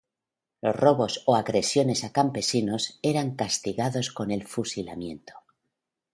Los robos o agresiones a campesinos eran castigados con el fusilamiento.